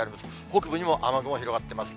北部にも雨雲、広がっています。